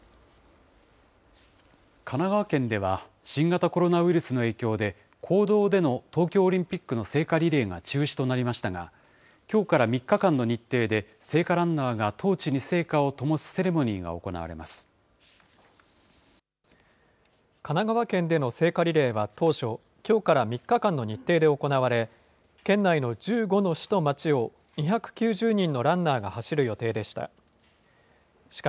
神奈川県では、新型コロナウイルスの影響で、公道での東京オリンピックの聖火リレーが中止となりましたが、きょうから３日間の日程で、聖火ランナーがトーチに聖火をともすセ神奈川県での聖火リレーは、当初、きょうから３日間の日程で行われ、県内の１５の市と町を２９０人のランナーが走る予定でした。